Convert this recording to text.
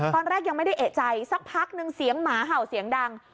ตอนแรกยังไม่ได้เอกใจสักพักนึงเสียงหมาเห่าเสียงดัง